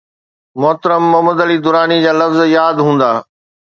محترم محمد علي دراني جا لفظ ياد هوندا.